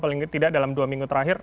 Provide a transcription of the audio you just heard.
paling tidak dalam dua minggu terakhir